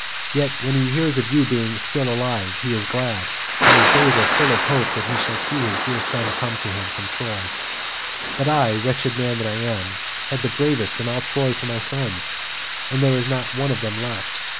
Yet when he hears of you being still alive, he is glad, and his days are full of hope that he shall see his dear son come home to him from Troy; but I, wretched man that I am, had the bravest in all Troy for my sons, and there is not one of them left.